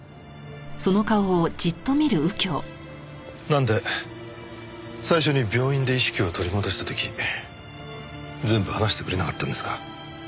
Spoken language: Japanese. なんで最初に病院で意識を取り戻した時全部話してくれなかったんですか？